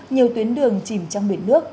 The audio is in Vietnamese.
nhiều tuyến đường chìm trong biển nước